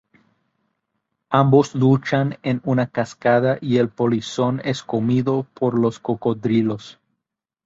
Ambos luchan en una cascada y el polizón es comido por los cocodrilos.